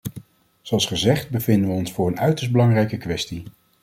Zoals gezegd bevinden we ons voor een uiterst belangrijke kwestie.